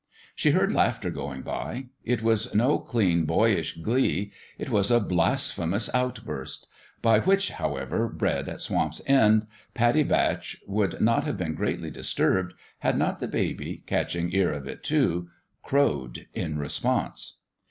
She heard laughter going by. It was no clean, boyish glee : it was a blasphemous outburst by which, however, bred at Swamp's End, Pattie Batch would not have been greatly disturbed, had not the baby, catching ear of it, too, crowed in response.